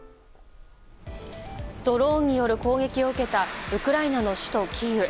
ドローンによる攻撃を受けたウクライナの首都キーウ。